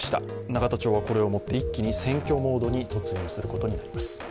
永田町はこれをもって一挙に選挙モードに突入することになります。